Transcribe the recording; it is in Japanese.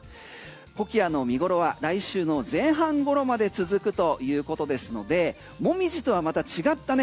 コキアの見頃は来週の前半頃まで続くということですのでモミジとはまた違ったね